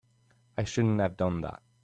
I shouldn't have done that.